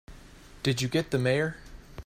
Did you get the Mayor?